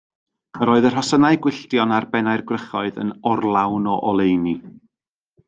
Yr oedd y rhosynnau gwylltion ar bennau'r gwrychoedd yn orlawn o oleuni.